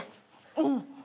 うん。